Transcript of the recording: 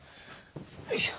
よいしょ。